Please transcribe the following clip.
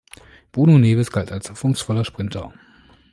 Bruno Neves galt als hoffnungsvoller Sprinter.